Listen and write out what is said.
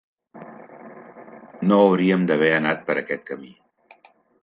No hauríem d'haver anat per aquest camí.